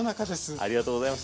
ありがとうございます。